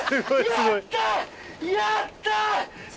やった！